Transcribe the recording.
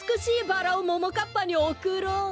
バラをももかっぱにおくろう。